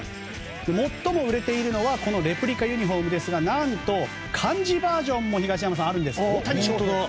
最も売れているのはレプリカユニホームですが何と漢字バージョンも東山さん、あるんです。